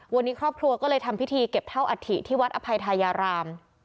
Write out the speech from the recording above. วันนี้ครอบครัวก็เลยทำพิธีเก็บเท่าอัฐิที่วัดอภัยทายาราม